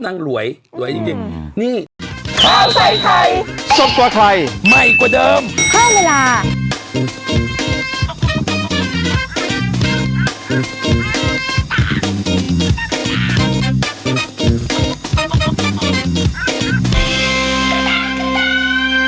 สวัสดีครับ